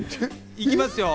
行きますよ。